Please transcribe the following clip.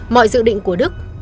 mọi dự định của đức